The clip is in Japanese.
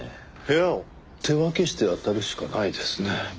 部屋を手分けしてあたるしかないですね。